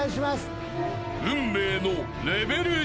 ［運命の］